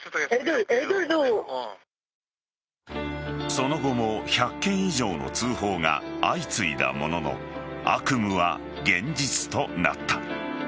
その後も１００件以上の通報が相次いだものの悪夢は現実となった。